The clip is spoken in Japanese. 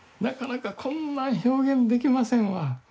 なかなかこんな表現できませんわ。